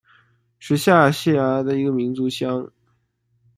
是下辖的一个民族乡。